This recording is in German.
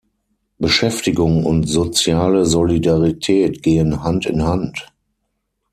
Beschäftigung und soziale Solidarität gehen Hand in Hand.